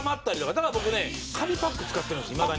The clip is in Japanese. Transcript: だから僕ね紙パック使ってるんですいまだに。